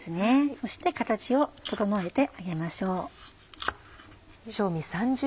そして形を整えてあげましょう。